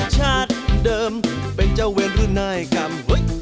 สร้างเรื่องบท